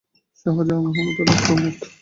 শাহজাহান, মোহাম্মদ আলী প্রমুখ।